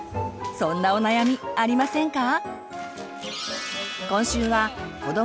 そんなお悩みありませんか？